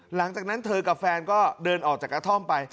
หลังจากนั้นเธอกับแฟนก็เดินออกจากกระท่อมไป